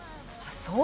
そう？